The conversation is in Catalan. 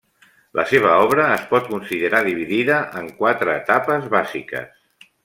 La seva obra es pot considerar dividida en quatre etapes bàsiques.